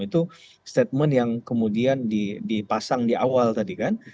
itu statement yang kemudian dipasang di awal tadi kan